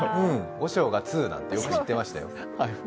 和尚がツーなんて、よく言ってましたよ。